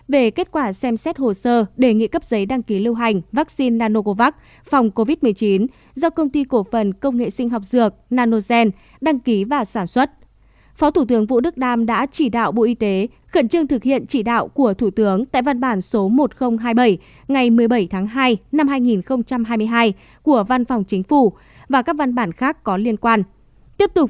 vắc xin phòng covid một mươi chín nanocovax được công ty cổ phần công nghệ sinh học dược nanogen phát triển từ tháng năm năm hai nghìn hai mươi dựa trên công nghệ protein tái tổ hợp